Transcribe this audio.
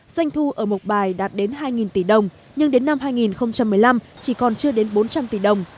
doanh thu ở mộc bài đạt đến hai tỷ đồng nhưng đến năm hai nghìn một mươi năm chỉ còn chưa đến bốn trăm linh tỷ đồng